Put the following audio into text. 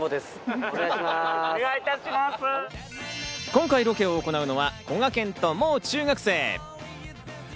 今回、ロケを行うのはこがけんと、もう中学生。